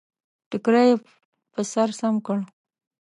ټکری يې پر سر سم کړ.